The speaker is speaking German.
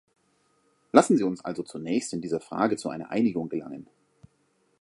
Lassen Sie uns also zunächst in dieser Frage zu einer Einigung gelangen.